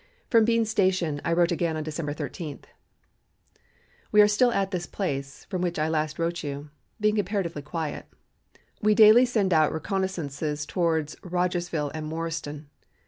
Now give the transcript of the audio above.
From Bean Station I wrote again on December 13: "We are still at this place, from which I last wrote you, being comparatively quiet. We daily send out reconnoissances toward Rogersville and Morristown.